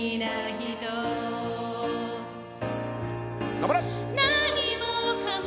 頑張れ！